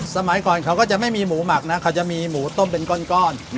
สมัยก่อนเขาก็จะไม่มีหมูหมักนะเขาจะมีหมูต้มเป็นก้อน